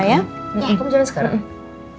kamu jalan sekarang